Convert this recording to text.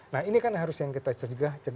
nah ini kan harus yang kita cegah